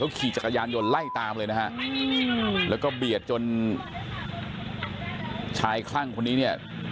ขี่จักรยานยนต์ไล่ตามเลยนะฮะแล้วก็เบียดจนชายคลั่งคนนี้เนี่ย